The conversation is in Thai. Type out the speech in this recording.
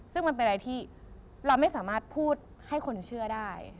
ซึ่งมันเป็นอะไรที่เราไม่สามารถพูดให้คนเชื่อได้